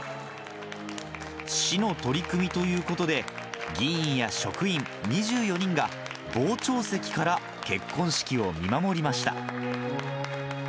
市の取り組みということで、議員や職員２４人が傍聴席から結婚式を見守りました。